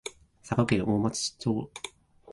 佐賀県大町町